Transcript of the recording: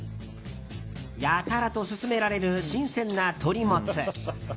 やたらと勧められる新鮮な鶏もつ。